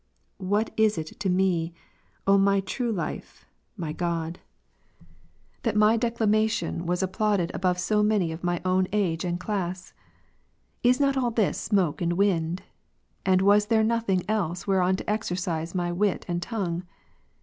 What is it to me, O my true life, my God, that my declamation was applauded above so many of mine own age and class ? Is not ail this smoke and wind ? And was thei'e nothing else whereon to exercise my wit and tongue